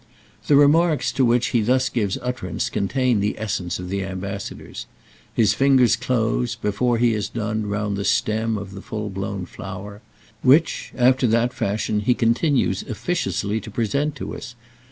The remarks to which he thus gives utterance contain the essence of "The Ambassadors," his fingers close, before he has done, round the stem of the full blown flower; which, after that fashion, he continues officiously to present to us.